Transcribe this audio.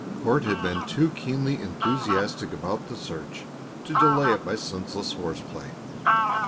Court had been too keenly enthusiastic about the search to delay it by senseless horse play.